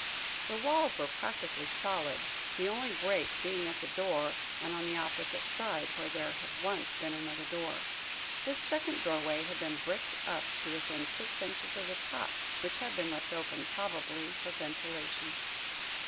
The walls were practically solid, the only break being at the door and on the opposite side, where there had once been another door. This second doorway had been bricked up to within six inches of the top, which had been left open, probably for ventilation.